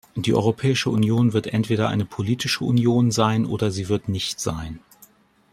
Die Europäische Union wird entweder eine politische Union sein oder sie wird nicht sein!